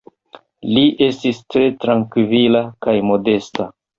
Li estis tre trankvila kaj modesta.